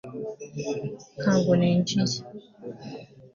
Ntabwo ninjiye